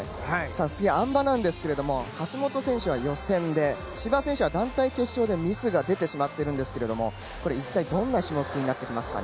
次、あん馬なんですが橋本選手は予選で千葉選手は団体決勝でミスが出てしまっているんですけど一体どんな種目になってきますか？